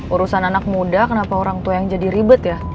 urusan anak muda kenapa orang tua yang jadi ribet ya